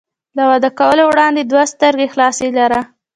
له واده کولو وړاندې دواړه سترګې خلاصې لره.